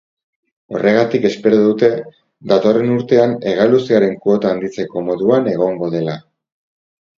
Horregatik espero dute, datorren urtean hegaluzearen kuota handitzeko moduan egongo dela.